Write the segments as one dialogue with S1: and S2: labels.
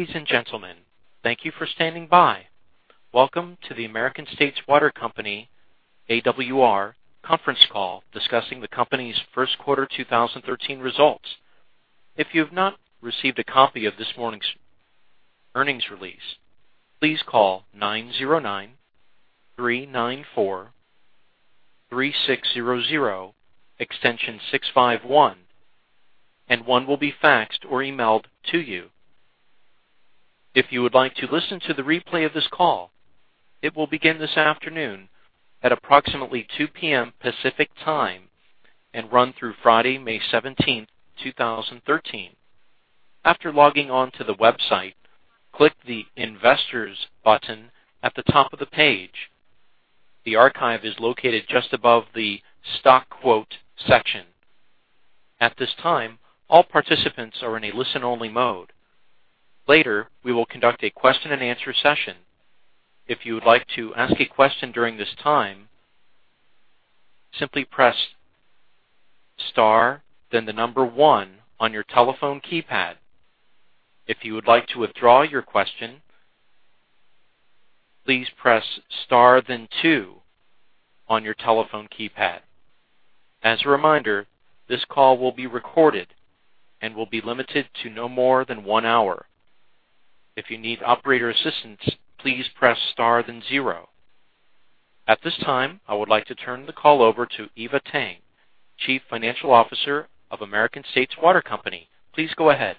S1: Ladies and gentlemen, thank you for standing by. Welcome to the American States Water Company, AWR, conference call discussing the company's first quarter 2013 results. If you've not received a copy of this morning's earnings release, please call 909-394-3600, extension 651, and one will be faxed or emailed to you. If you would like to listen to the replay of this call, it will begin this afternoon at approximately 2:00 P.M. Pacific Time and run through Friday, May 17, 2013. After logging on to the website, click the Investors button at the top of the page. The archive is located just above the Stock Quote section. At this time, all participants are in a listen-only mode. Later, we will conduct a question and answer session. If you would like to ask a question during this time, simply press star, then the number one on your telephone keypad. If you would like to withdraw your question, please press star, then two on your telephone keypad. As a reminder, this call will be recorded and will be limited to no more than one hour. If you need operator assistance, please press star, then zero. At this time, I would like to turn the call over to Eva Tang, Chief Financial Officer of American States Water Company. Please go ahead.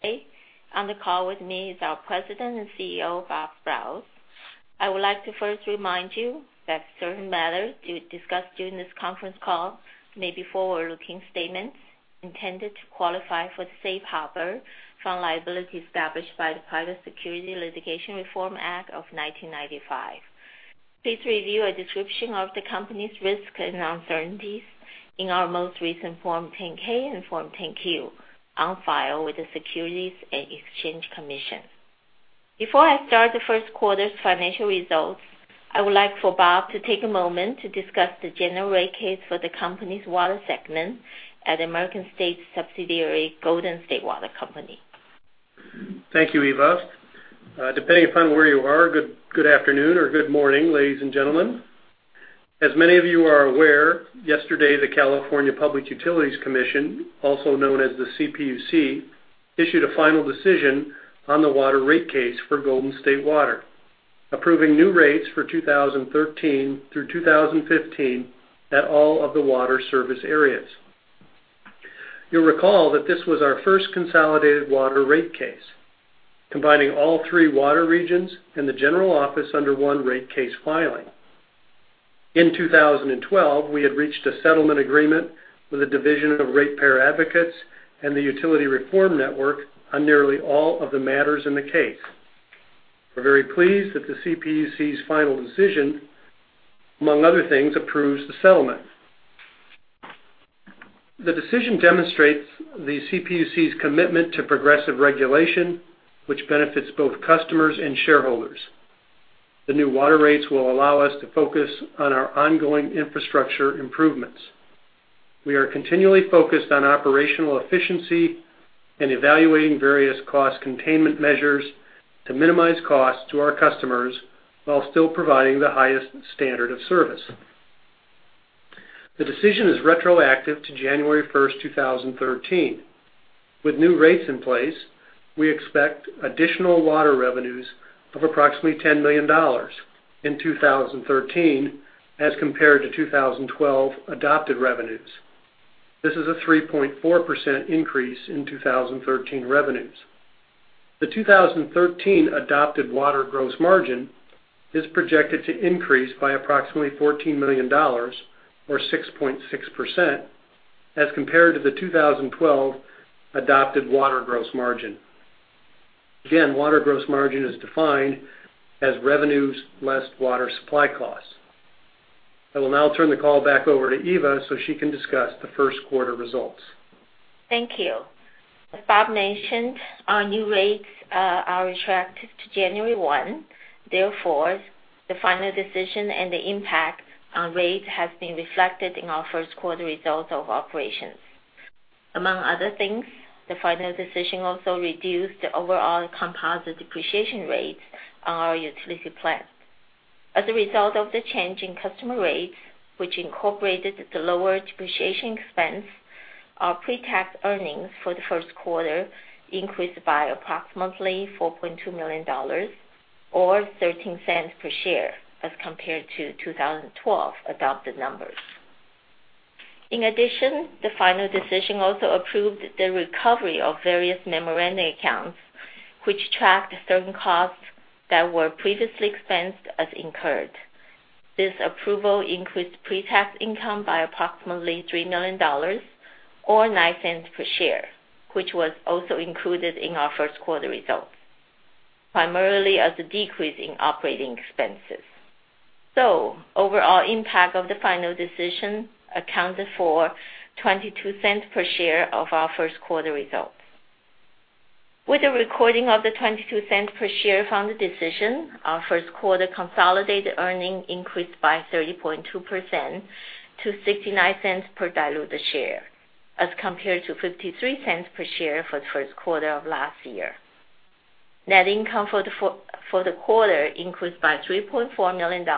S2: Hey. On the call with me is our President and Chief Executive Officer, Bob Sprowls. I would like to first remind you that certain matters discussed during this conference call may be forward-looking statements intended to qualify for the safe harbor from liability established by the Private Securities Litigation Reform Act of 1995. Please review a description of the company's risks and uncertainties in our most recent Form 10-K and Form 10-Q on file with the Securities and Exchange Commission. Before I start the first quarter's financial results, I would like for Bob to take a moment to discuss the general rate case for the company's water segment at American States subsidiary, Golden State Water Company.
S3: Thank you, Eva. Depending upon where you are, good afternoon or good morning, ladies and gentlemen. As many of you are aware, yesterday, the California Public Utilities Commission, also known as the CPUC, issued a final decision on the water rate case for Golden State Water, approving new rates for 2013 through 2015 at all of the water service areas. You'll recall that this was our first consolidated water rate case, combining all three water regions and the general office under one rate case filing. In 2012, we had reached a settlement agreement with the Division of Ratepayer Advocates and The Utility Reform Network on nearly all of the matters in the case. We're very pleased that the CPUC's final decision, among other things, approves the settlement. The decision demonstrates the CPUC's commitment to progressive regulation, which benefits both customers and shareholders. The new water rates will allow us to focus on our ongoing infrastructure improvements. We are continually focused on operational efficiency and evaluating various cost containment measures to minimize costs to our customers while still providing the highest standard of service. The decision is retroactive to January 1st, 2013. With new rates in place, we expect additional water revenues of approximately $10 million in 2013 as compared to 2012 adopted revenues. This is a 3.4% increase in 2013 revenues. The 2013 adopted water gross margin is projected to increase by approximately $14 million, or 6.6%, as compared to the 2012 adopted water gross margin. Again, water gross margin is defined as revenues less water supply costs. I will now turn the call back over to Eva so she can discuss the first quarter results.
S2: Thank you. As Bob mentioned, our new rates are retroactive to January 1. Therefore, the final decision and the impact on rates has been reflected in our first quarter results of operations. Among other things, the final decision also reduced the overall composite depreciation rates on our utility plans. As a result of the change in customer rates, which incorporated the lower depreciation expense, our pre-tax earnings for the first quarter increased by approximately $4.2 million, or $0.13 per share as compared to 2012 adopted numbers. In addition, the final decision also approved the recovery of various memoranda accounts, which tracked certain costs that were previously expensed as incurred. This approval increased pre-tax income by approximately $3 million, or $0.09 per share, which was also included in our first quarter results, primarily as a decrease in operating expenses. Overall impact of the final decision accounted for $0.22 per share of our first quarter results. With the recording of the $0.22 per share from the decision, our first quarter consolidated earning increased by 30.2% to $0.69 per diluted share as compared to $0.53 per share for the first quarter of last year. Net income for the quarter increased by $3.4 million,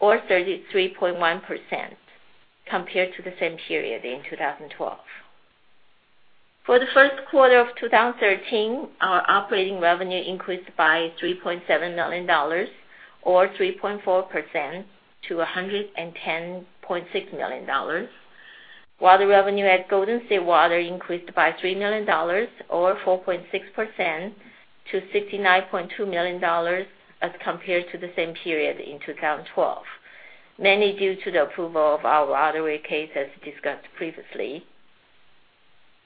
S2: or 33.1%, compared to the same period in 2012. For the first quarter of 2013, our operating revenue increased by $3.7 million, or 3.4%, to $110.6 million, while the revenue at Golden State Water increased by $3 million, or 4.6%, to $69.2 million as compared to the same period in 2012, mainly due to the approval of our water rate case, as discussed previously.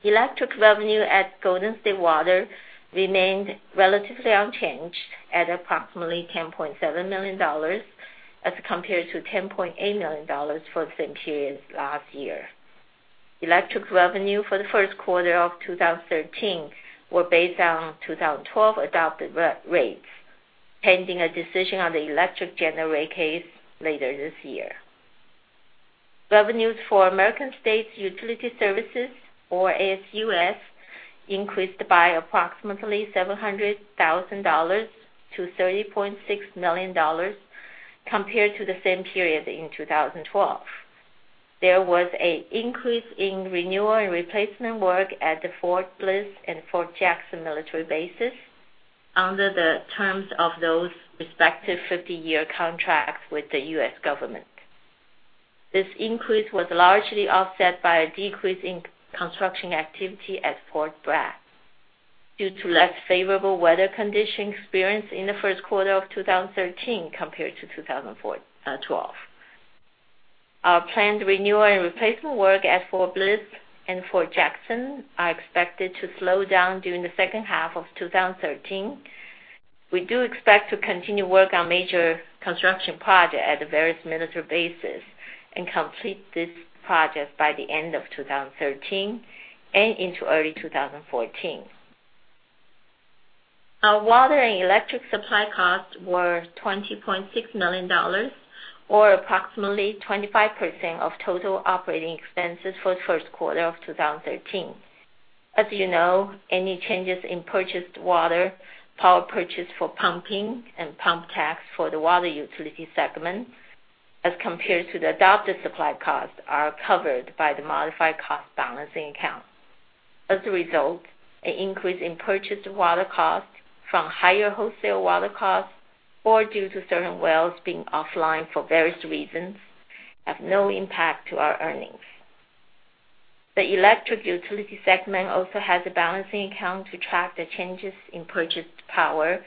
S2: Electric revenue at Golden State Water remained relatively unchanged at approximately $10.7 million as compared to $10.8 million for the same period last year. Electric revenue for the first quarter of 2013 were based on 2012 adopted rates, pending a decision on the electric general rate case later this year. Revenues for American States Utility Services, or ASUS, increased by approximately $700,000 to $30.6 million compared to the same period in 2012. There was an increase in renewal and replacement work at the Fort Bliss and Fort Jackson military bases under the terms of those respective 50-year contracts with the U.S. government. This increase was largely offset by a decrease in construction activity at Fort Bragg due to less favorable weather conditions experienced in the first quarter of 2013 compared to 2012. Our planned renewal and replacement work at Fort Bliss and Fort Jackson are expected to slow down during the second half of 2013. We do expect to continue work on major construction projects at the various military bases and complete this project by the end of 2013 and into early 2014. Our water and electric supply costs were $20.6 million, or approximately 25% of total operating expenses for the first quarter of 2013. As you know, any changes in purchased water, power purchase for pumping, and pump tax for the water utility segment as compared to the adopted supply costs are covered by the Modified Cost Balancing Account. As a result, an increase in purchased water cost from higher wholesale water costs or due to certain wells being offline for various reasons have no impact to our earnings. The electric utility segment also has a balancing account to track the changes in purchased power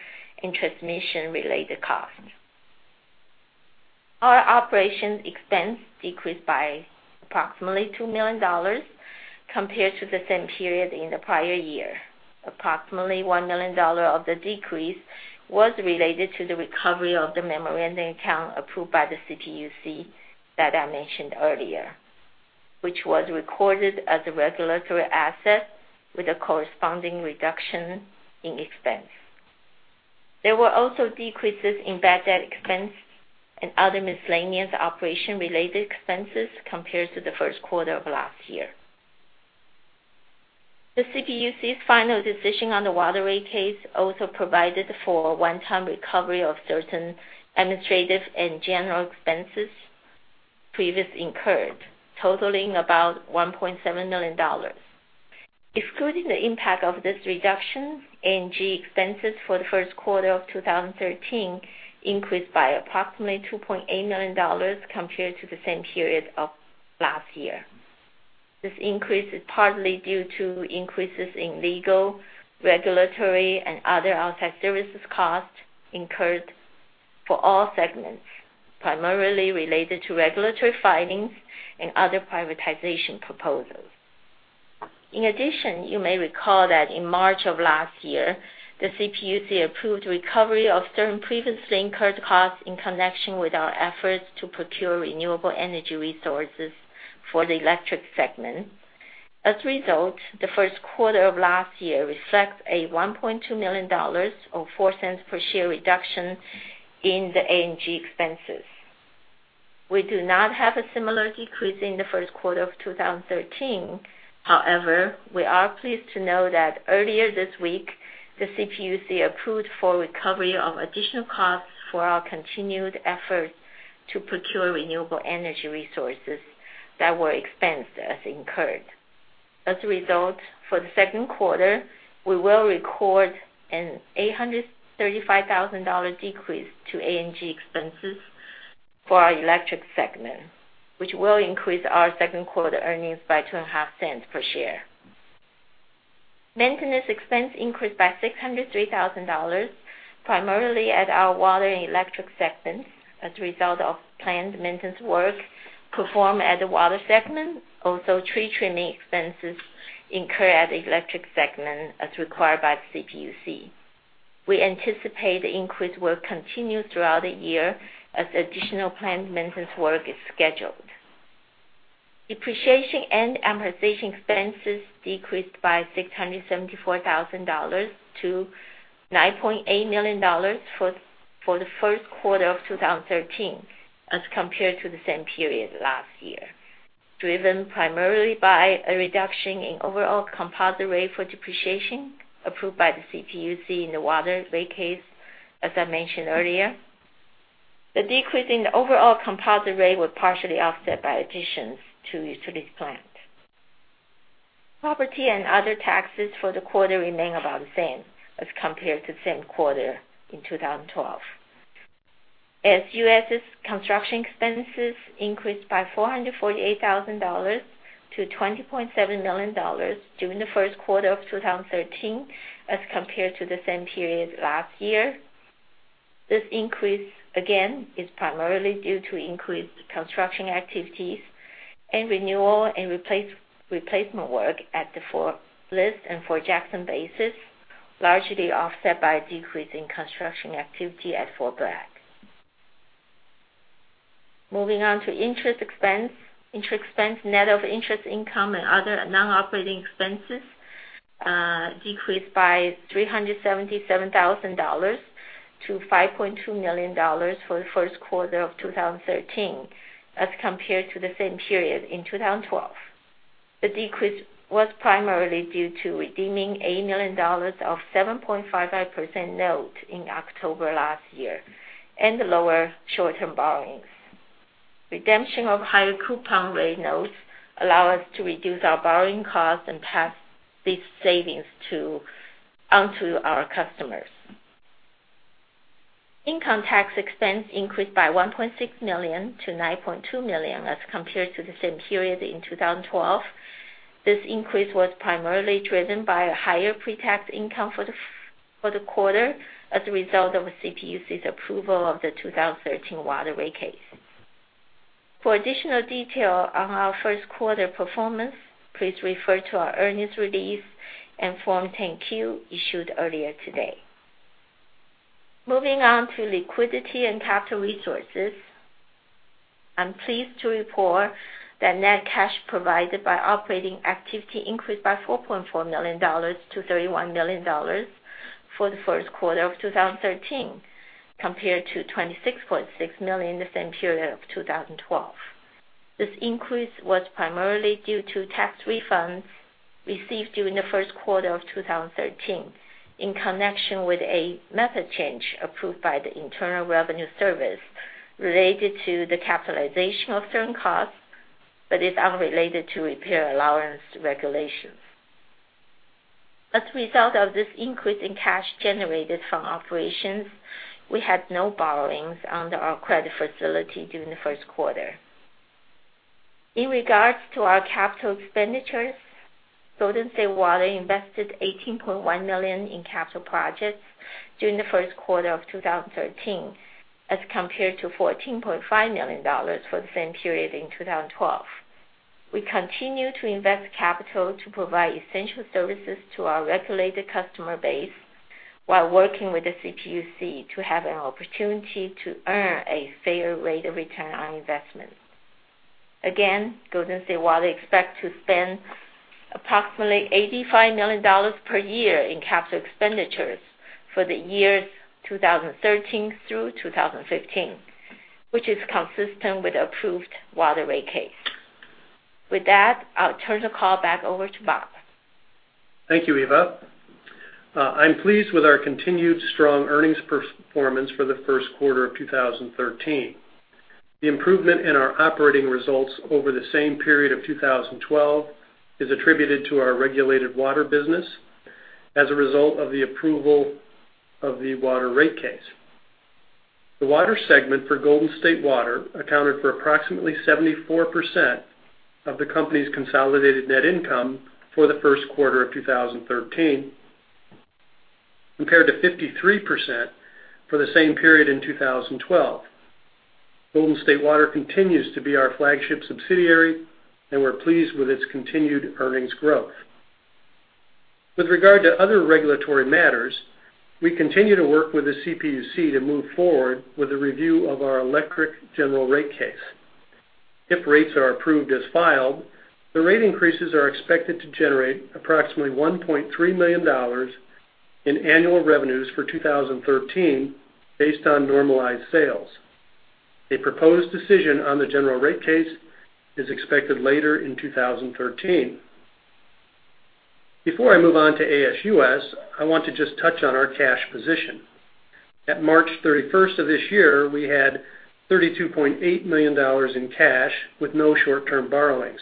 S2: and transmission-related costs. Our operations expense decreased by approximately $2 million compared to the same period in the prior year. Approximately $1 million of the decrease was related to the recovery of the memorandum account approved by the CPUC that I mentioned earlier, which was recorded as a regulatory asset with a corresponding reduction in expense. There were also decreases in bad debt expense and other miscellaneous operation-related expenses compared to the first quarter of last year. The CPUC's final decision on the water rate case also provided for a one-time recovery of certain Administrative and General expenses previously incurred, totaling about $1.7 million. Excluding the impact of this reduction, A&G expenses for the first quarter of 2013 increased by approximately $2.8 million compared to the same period of last year. This increase is partly due to increases in legal, regulatory, and other outside services costs incurred for all segments, primarily related to regulatory filings and other privatization proposals. You may recall that in March of last year, the CPUC approved recovery of certain previously incurred costs in connection with our efforts to procure renewable energy resources for the electric segment. As a result, the first quarter of last year reflects a $1.2 million, or $0.04 per share, reduction in the A&G expenses. We do not have a similar decrease in the first quarter of 2013. We are pleased to know that earlier this week, the CPUC approved for recovery of additional costs for our continued efforts to procure renewable energy resources that were expensed as incurred. For the second quarter, we will record an $835,000 decrease to A&G expenses for our electric segment, which will increase our second-quarter earnings by $0.025 per share. Maintenance expense increased by $603,000, primarily at our water and electric segments as a result of planned maintenance work performed at the water segment. Tree trimming expenses incurred at the electric segment as required by the CPUC. We anticipate the increased work continue throughout the year as additional planned maintenance work is scheduled. Depreciation and amortization expenses decreased by $674,000 to $9.8 million for the first quarter of 2013 as compared to the same period last year, driven primarily by a reduction in overall composite rate for depreciation approved by the CPUC in the water rate case, as I mentioned earlier. The decrease in the overall composite rate was partially offset by additions to utilities plant. Property and other taxes for the quarter remain about the same as compared to the same quarter in 2012. ASUS's construction expenses increased by $448,000 to $20.7 million during the first quarter of 2013 as compared to the same period last year. This increase, again, is primarily due to increased construction activities and renewal and replacement work at the Fort Bliss and Fort Jackson bases, largely offset by a decrease in construction activity at Fort Bragg. Moving on to interest expense. Interest expense, net of interest income and other non-operating expenses, decreased by $377,000 to $5.2 million for the first quarter of 2013 as compared to the same period in 2012. The decrease was primarily due to redeeming $8 million of 7.55% note in October last year and lower short-term borrowings. Redemption of higher coupon rate notes allow us to reduce our borrowing costs and pass these savings on to our customers. Income tax expense increased by $1.6 million to $9.2 million as compared to the same period in 2012. This increase was primarily driven by a higher pre-tax income for the quarter as a result of CPUC's approval of the 2013 water rate case. For additional detail on our first quarter performance, please refer to our earnings release and Form 10-Q issued earlier today. Moving on to liquidity and capital resources. I'm pleased to report that net cash provided by operating activity increased by $4.4 million to $31 million for the first quarter of 2013, compared to $26.6 million the same period of 2012. This increase was primarily due to tax refunds received during the first quarter of 2013 in connection with a method change approved by the Internal Revenue Service related to the capitalization of certain costs, but is unrelated to repair allowance regulations. As a result of this increase in cash generated from operations, we had no borrowings under our credit facility during the first quarter. In regards to our capital expenditures, Golden State Water invested $18.1 million in capital projects during the first quarter of 2013 as compared to $14.5 million for the same period in 2012. We continue to invest capital to provide essential services to our regulated customer base while working with the CPUC to have an opportunity to earn a fair rate of return on investment. Golden State Water expects to spend approximately $85 million per year in capital expenditures for the years 2013 through 2015, which is consistent with approved water rate case. With that, I'll turn the call back over to Bob.
S3: Thank you, Eva. I'm pleased with our continued strong earnings performance for the first quarter of 2013. The improvement in our operating results over the same period of 2012 is attributed to our regulated water business as a result of the approval of the water rate case. The water segment for Golden State Water accounted for approximately 74% of the company's consolidated net income for the first quarter of 2013, compared to 53% for the same period in 2012. Golden State Water continues to be our flagship subsidiary, and we're pleased with its continued earnings growth. With regard to other regulatory matters, we continue to work with the CPUC to move forward with a review of our electric general rate case. If rates are approved as filed, the rate increases are expected to generate approximately $1.3 million in annual revenues for 2013 based on normalized sales. A proposed decision on the general rate case is expected later in 2013. Before I move on to ASUS, I want to just touch on our cash position. At March 31st of this year, we had $32.8 million in cash with no short-term borrowings.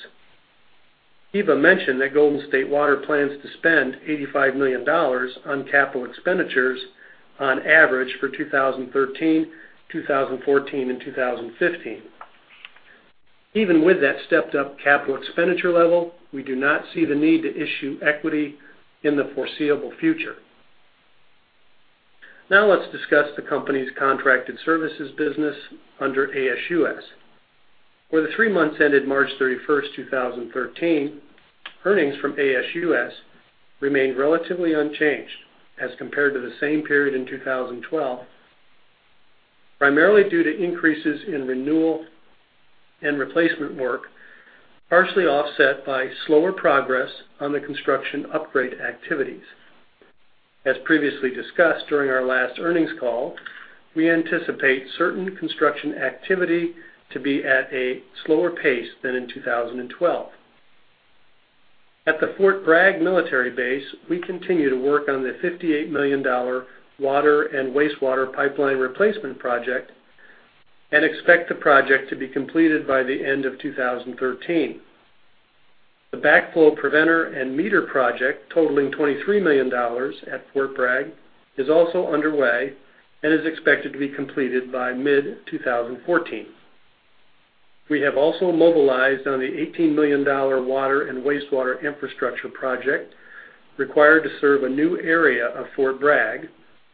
S3: Eva mentioned that Golden State Water plans to spend $85 million on capital expenditures on average for 2013, 2014, and 2015. Even with that stepped up capital expenditure level, we do not see the need to issue equity in the foreseeable future. Let's discuss the company's contracted services business under ASUS. For the three months ended March 31st, 2013, earnings from ASUS remained relatively unchanged as compared to the same period in 2012. Primarily due to increases in renewal and replacement work, partially offset by slower progress on the construction upgrade activities. As previously discussed during our last earnings call, we anticipate certain construction activity to be at a slower pace than in 2012. At the Fort Bragg military base, we continue to work on the $58 million water and wastewater pipeline replacement project and expect the project to be completed by the end of 2013. The backflow preventer and meter project totaling $23 million at Fort Bragg is also underway and is expected to be completed by mid-2014. We have also mobilized on the $18 million water and wastewater infrastructure project required to serve a new area of Fort Bragg,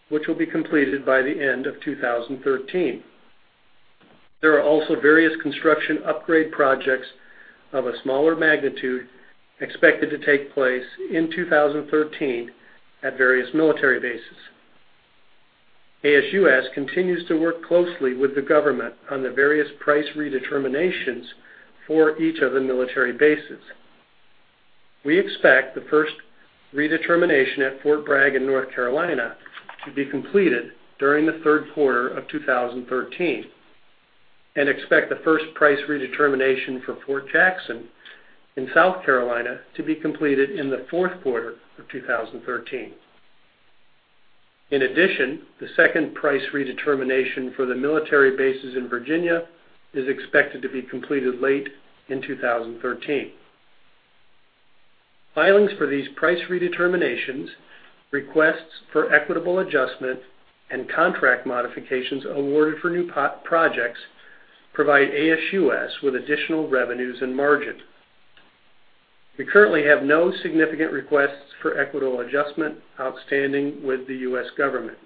S3: which will be completed by the end of 2013. There are also various construction upgrade projects of a smaller magnitude expected to take place in 2013 at various military bases. ASUS continues to work closely with the government on the various price redeterminations for each of the military bases. We expect the first redetermination at Fort Bragg in North Carolina to be completed during the third quarter of 2013 and expect the first price redetermination for Fort Jackson in South Carolina to be completed in the fourth quarter of 2013. In addition, the second price redetermination for the military bases in Virginia is expected to be completed late in 2013. Filings for these price redeterminations, requests for equitable adjustment, and contract modifications awarded for new projects provide ASUS with additional revenues and margin. We currently have no significant requests for equitable adjustment outstanding with the U.S. government.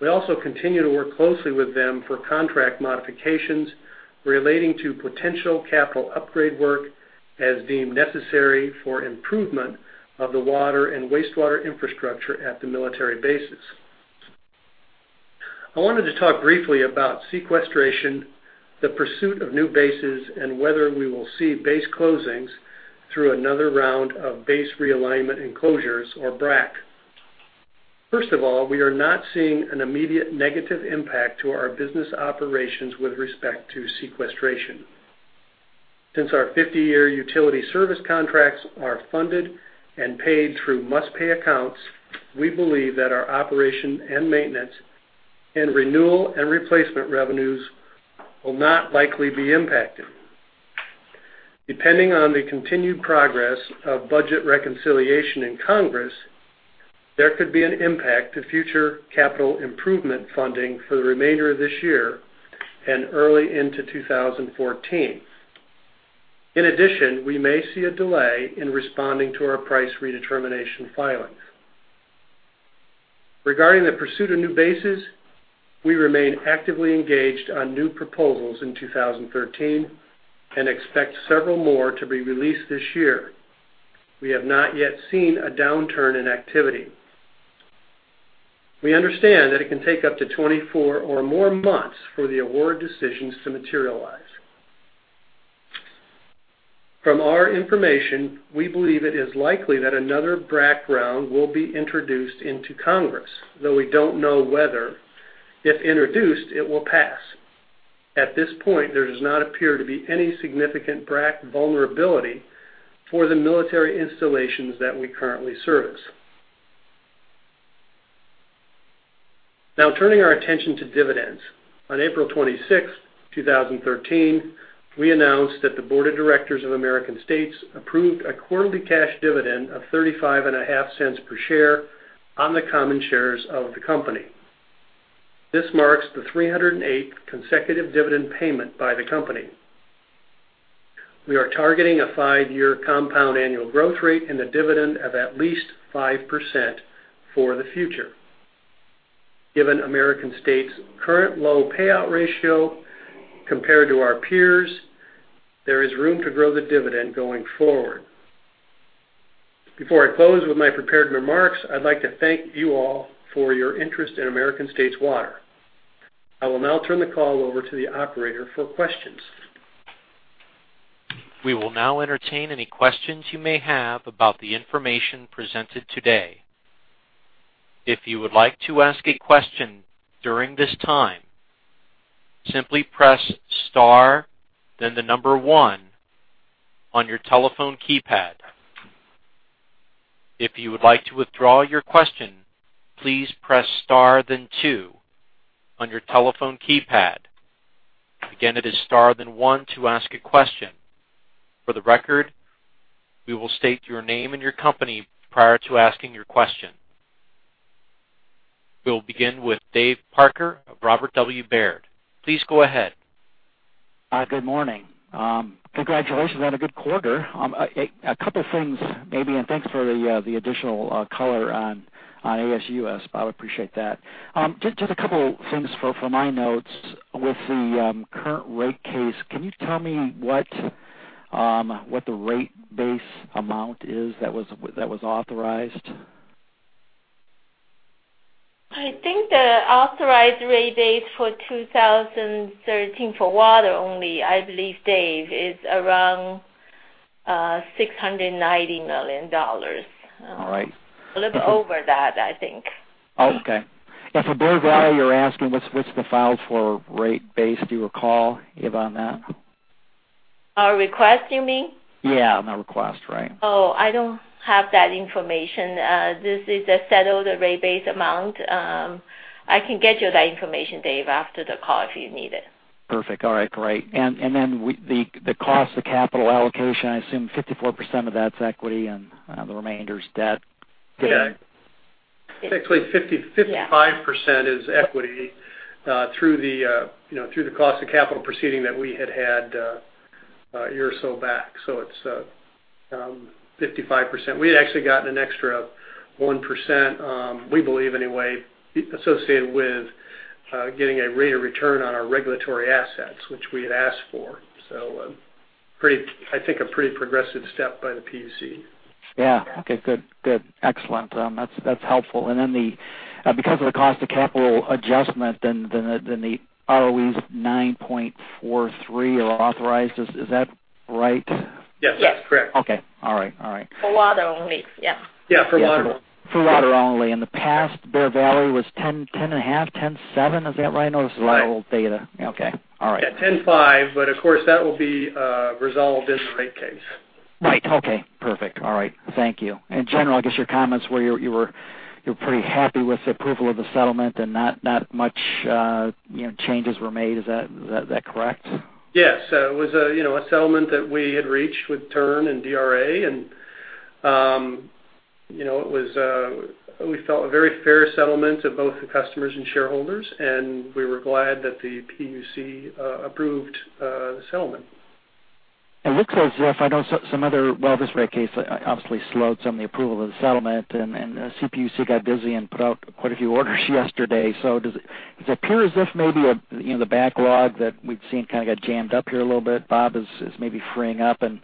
S3: We also continue to work closely with them for contract modifications relating to potential capital upgrade work as deemed necessary for improvement of the water and wastewater infrastructure at the military bases. I wanted to talk briefly about sequestration, the pursuit of new bases, and whether we will see base closings through another round of base realignment and closures or BRAC. First of all, we are not seeing an immediate negative impact to our business operations with respect to sequestration. Since our 50-year utility service contracts are funded and paid through must-pay accounts, we believe that our operation and maintenance and renewal and replacement revenues will not likely be impacted. Depending on the continued progress of budget reconciliation in Congress, there could be an impact to future capital improvement funding for the remainder of this year and early into 2014. In addition, we may see a delay in responding to our price redetermination filings. Regarding the pursuit of new bases, we remain actively engaged on new proposals in 2013 and expect several more to be released this year. We have not yet seen a downturn in activity. We understand that it can take up to 24 or more months for the award decisions to materialize. From our information, we believe it is likely that another BRAC round will be introduced into Congress, though we don't know whether, if introduced, it will pass. At this point, there does not appear to be any significant BRAC vulnerability for the military installations that we currently service. Now turning our attention to dividends. On April 26th, 2013, we announced that the board of directors of American States Water Company approved a quarterly cash dividend of $0.355 per share on the common shares of the company. This marks the 308th consecutive dividend payment by the company. We are targeting a five-year compound annual growth rate and a dividend of at least 5% for the future. Given American States' current low payout ratio compared to our peers, there is room to grow the dividend going forward. Before I close with my prepared remarks, I'd like to thank you all for your interest in American States Water Company. I will now turn the call over to the operator for questions.
S1: We will now entertain any questions you may have about the information presented today. If you would like to ask a question during this time, simply press star, then the number 1 on your telephone keypad. If you would like to withdraw your question, please press star, then 2 on your telephone keypad. Again, it is star, then 1 to ask a question. For the record, we will state your name and your company prior to asking your question. We will begin with Dave Parker of Robert W. Baird. Please go ahead.
S4: Good morning. Congratulations on a good quarter. A couple things maybe, thanks for the additional color on ASUS. I appreciate that. Just a couple things from my notes. With the current rate case, can you tell me what the rate base amount is that was authorized?
S2: I think the authorized rate base for 2013 for water only, I believe, Dave, is around $690 million.
S4: All right.
S2: A little bit over that, I think.
S4: Okay. For Bear Valley, you're asking what's the filed-for rate base. Do you recall, Eva, on that?
S2: Our request, you mean?
S4: Yeah. The request, right.
S2: Oh, I don't have that information. This is a settled rate base amount. I can get you that information, Dave, after the call if you need it.
S4: Perfect. All right, great. Then the cost of capital allocation, I assume 54% of that's equity and the remainder's debt.
S3: Yeah. It's actually 55% is equity, through the cost of capital proceeding that we had had a year or so back. It's 55%. We had actually gotten an extra 1%, we believe anyway, associated with getting a rate of return on our regulatory assets, which we had asked for. I think a pretty progressive step by the PUC.
S4: Yeah. Okay, good. Excellent. That's helpful. Then because of the cost of capital adjustment, then the ROE's 9.43 are authorized. Is that right?
S3: Yes.
S2: Yes.
S3: Correct.
S4: Okay. All right.
S2: For water only, yeah.
S3: Yeah, for water only.
S4: For water only. In the past, Bear Valley was 10.5, 10.7. Is that right? This is a lot of old data. Okay. All right.
S3: Yeah, 10.5, of course, that will be resolved in the rate case.
S4: Right. Okay, perfect. All right. Thank you. In general, I guess your comments were you were pretty happy with the approval of the settlement, and not much changes were made. Is that correct?
S3: Yes. It was a settlement that we had reached with TURN and DRA, and we felt a very fair settlement to both the customers and shareholders, and we were glad that the PUC approved the settlement.
S4: It looks as if I know some other, well, this rate case obviously slowed some of the approval of the settlement, and CPUC got busy and put out quite a few orders yesterday. Does it appear as if maybe the backlog that we've seen kind of got jammed up here a little bit, Bob, is maybe freeing up, and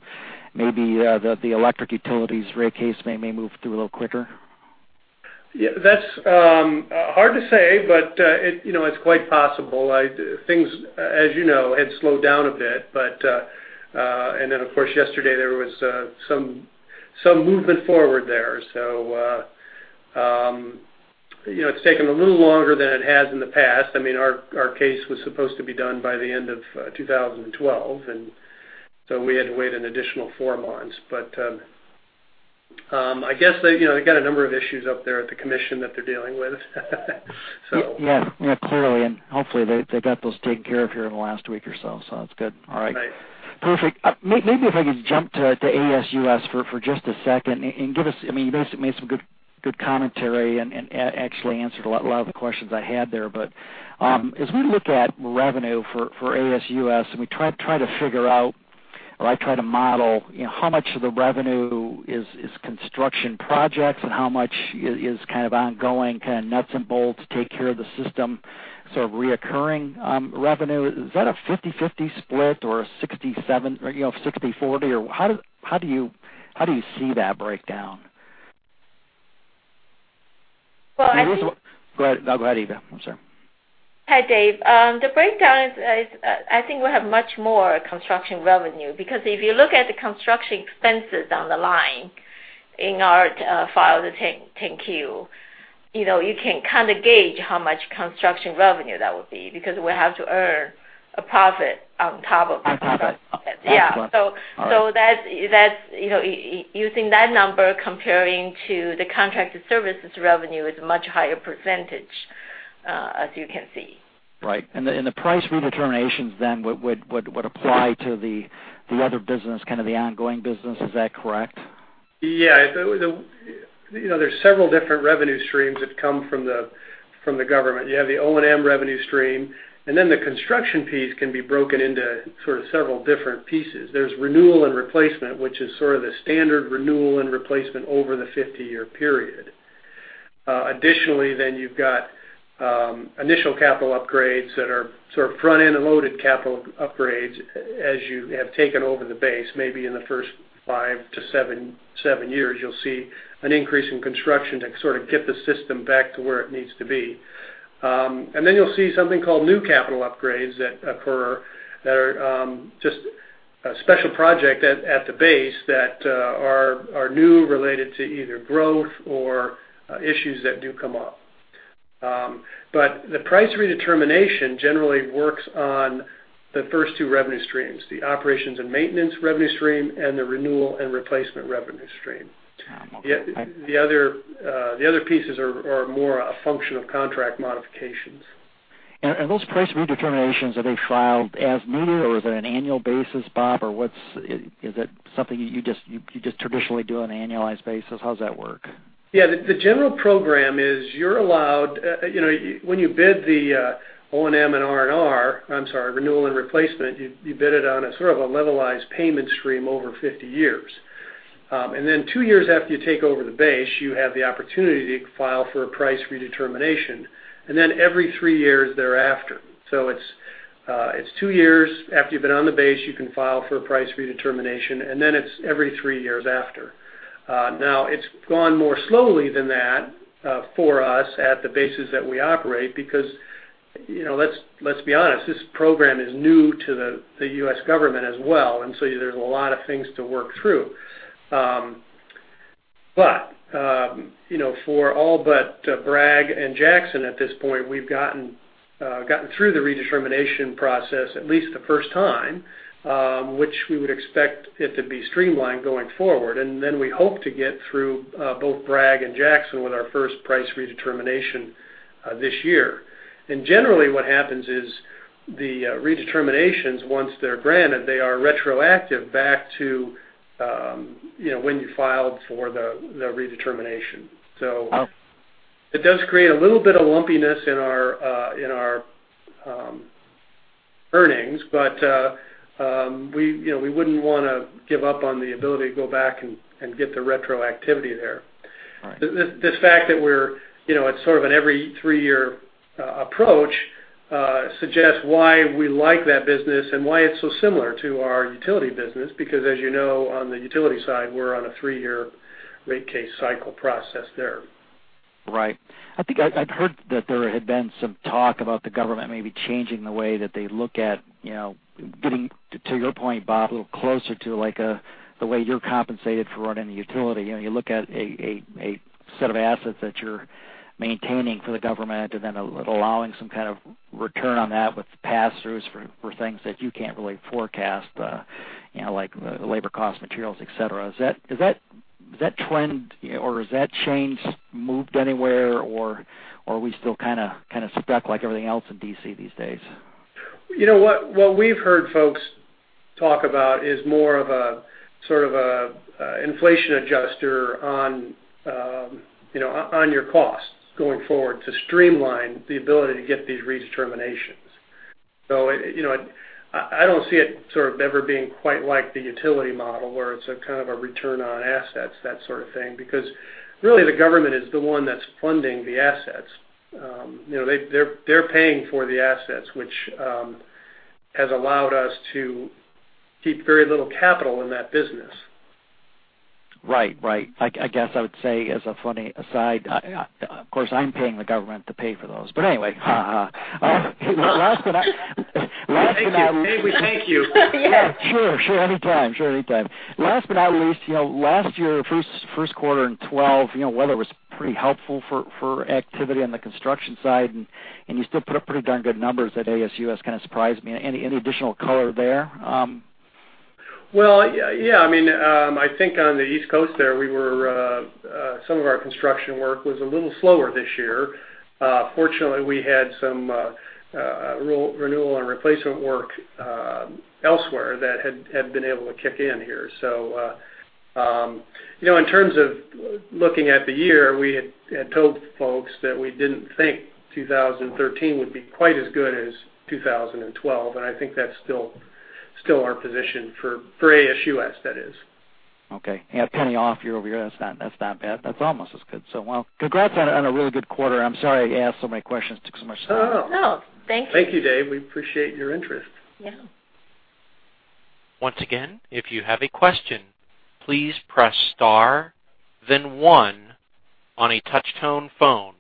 S4: maybe the electric utility's rate case may move through a little quicker?
S3: Yeah, that's hard to say, but it's quite possible. Things, as you know, had slowed down a bit, and then, of course, yesterday, there was some movement forward there. It's taken a little longer than it has in the past. Our case was supposed to be done by the end of 2012, and so we had to wait an additional four months. I guess they got a number of issues up there at the commission that they're dealing with.
S4: Yeah, clearly, hopefully, they got those taken care of here in the last week or so, that's good. All right.
S3: Right.
S4: Perfect. Maybe if I could jump to ASUS for just a second give us, you basically made some good commentary and actually answered a lot of the questions I had there, as we look at revenue for ASUS, we try to figure out or I try to model how much of the revenue is construction projects and how much is kind of ongoing, kind of nuts and bolts, take care of the system sort of recurring revenue, is that a 50/50 split or a 60/40? How do you see that breakdown?
S2: Well.
S4: Go ahead, Eva. I'm sorry.
S2: Hi, Dave. The breakdown is, I think we have much more construction revenue because if you look at the construction expenses on the line in our filed 10-Q, you can gauge how much construction revenue that would be because we have to earn a profit on top of the construction.
S4: Okay.
S2: Yeah.
S4: Excellent. All right.
S2: Using that number, comparing to the contracted services revenue is a much higher %, as you can see.
S4: Right. The price redeterminations then would apply to the other business, kind of the ongoing business. Is that correct?
S3: Yeah. There's several different revenue streams that come from the government. You have the O&M revenue stream, and then the construction piece can be broken into sort of several different pieces. There's renewal and replacement, which is sort of the standard renewal and replacement over the 50-year period. Additionally, you've got initial capital upgrades that are sort of front-end loaded capital upgrades as you have taken over the base, maybe in the first five to seven years, you'll see an increase in construction to sort of get the system back to where it needs to be. You'll see something called new capital upgrades that occur that are just a special project at the base that are new, related to either growth or issues that do come up. The price redetermination generally works on the first two revenue streams, the operations and maintenance revenue stream and the renewal and replacement revenue stream.
S4: Okay.
S3: The other pieces are more a function of contract modifications.
S4: Those price redeterminations, are they filed as needed or is it an annual basis, Bob? Is it something you just traditionally do on an annualized basis? How's that work?
S3: The general program is you're allowed, when you bid the O&M and R&R, I'm sorry, renewal and replacement, you bid it on a sort of a levelized payment stream over 50 years. Then two years after you take over the base, you have the opportunity to file for a price redetermination, and then every three years thereafter. It's two years after you've been on the base, you can file for a price redetermination, and then it's every three years after. It's gone more slowly than that for us at the bases that we operate, because let's be honest, this program is new to the U.S. government as well, there's a lot of things to work through. For all but Bragg and Jackson at this point, we've gotten through the redetermination process at least the first time, which we would expect it to be streamlined going forward. Then we hope to get through both Bragg and Jackson with our first price redetermination this year. Generally, what happens is the redeterminations, once they're granted, they are retroactive back to when you filed for the redetermination. It does create a little bit of lumpiness in our earnings, but we wouldn't want to give up on the ability to go back and get the retroactivity there.
S4: Right.
S3: The fact that it's sort of an every three-year approach suggests why we like that business and why it's so similar to our utility business, because as you know, on the utility side, we're on a three-year rate case cycle process there.
S4: Right. I think I'd heard that there had been some talk about the government maybe changing the way that they look at getting, to your point, Bob, a little closer to the way you're compensated for running a utility. You look at a set of assets that you're maintaining for the government and then allowing some kind of return on that with pass-throughs for things that you can't really forecast, like labor cost, materials, et cetera. Has that trend or has that change moved anywhere, or are we still kind of stuck like everything else in D.C. these days?
S3: What we've heard folks talk about is more of a sort of an inflation adjuster on your costs going forward to streamline the ability to get these redeterminations. I don't see it sort of ever being quite like the utility model where it's a kind of a return on assets, that sort of thing, because really the government is the one that's funding the assets. They're paying for the assets, which has allowed us to keep very little capital in that business.
S4: Right. I guess I would say as a funny aside, of course, I'm paying the government to pay for those. Anyway.
S3: Thank you. Dave, we thank you.
S2: Yes.
S4: Sure, anytime. Last but not least, last year, first quarter in 2012, weather was pretty helpful for activity on the construction side, you still put up pretty darn good numbers at ASUS, kind of surprised me. Any additional color there?
S3: Well, yeah. I think on the East Coast there, some of our construction work was a little slower this year. Fortunately, we had some renewal and replacement work elsewhere that had been able to kick in here. In terms of looking at the year, we had told folks that we didn't think 2013 would be quite as good as 2012, and I think that's still our position for ASUS, that is.
S4: Okay. Yeah, $0.01 off year-over-year, that's not bad. That's almost as good. Well, congrats on a really good quarter. I'm sorry I asked so many questions, took so much time.
S2: No. Thank you.
S3: Thank you, Dave. We appreciate your interest.
S2: Yeah.
S1: Once again, if you have a question, please press star then one on a touch-tone phone.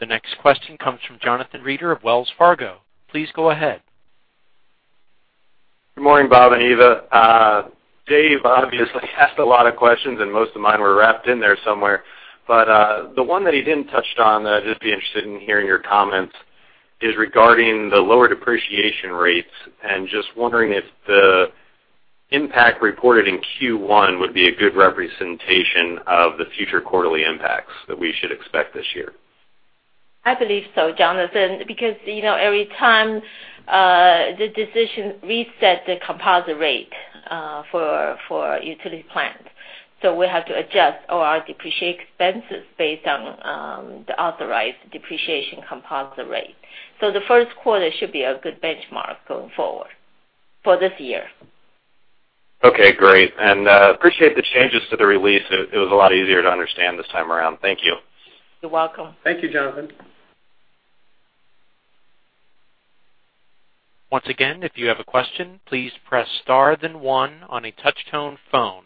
S1: The next question comes from Jonathan Reeder of Wells Fargo. Please go ahead.
S5: Good morning, Bob and Eva. Dave obviously asked a lot of questions, and most of mine were wrapped in there somewhere. The one that he didn't touch on that I'd just be interested in hearing your comments is regarding the lower depreciation rates and just wondering if the impact reported in Q1 would be a good representation of the future quarterly impacts that we should expect this year.
S2: I believe so, Jonathan, because every time, the decision reset the composite rate for utility plants. We have to adjust our depreciation expenses based on the authorized depreciation composite rate. The first quarter should be a good benchmark going forward for this year.
S5: Okay, great. Appreciate the changes to the release. It was a lot easier to understand this time around. Thank you.
S2: You're welcome.
S3: Thank you, Jonathan.
S1: Once again, if you have a question, please press star then one on a touch-tone phone.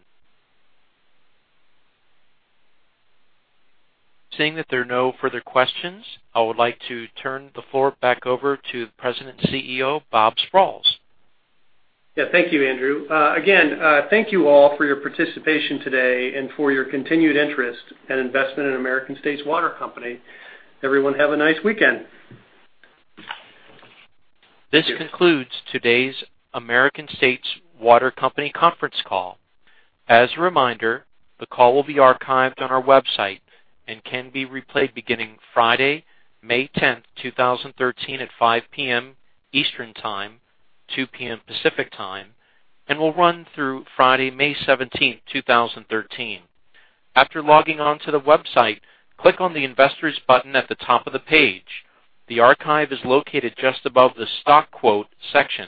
S1: Seeing that there are no further questions, I would like to turn the floor back over to the President and CEO, Bob Sprowls.
S3: Yeah. Thank you, Andrew. Again, thank you all for your participation today and for your continued interest and investment in American States Water Company. Everyone have a nice weekend.
S1: This concludes today's American States Water Company conference call. As a reminder, the call will be archived on our website and can be replayed beginning Friday, May 10th, 2013, at 5:00 P.M. Eastern Time, 2:00 P.M. Pacific Time, and will run through Friday, May 17th, 2013. After logging on to the website, click on the Investors button at the top of the page. The archive is located just above the Stock Quote section